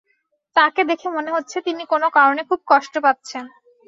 তাঁকে দেখে মনে হচ্ছে তিনি কোনো কারণে খুব কষ্ট পাচ্ছেন।